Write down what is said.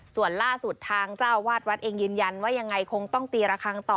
ส่วนล่าสุดทางเจ้าวาดวัดเองยืนยันว่ายังไงคงต้องตีระคังต่อ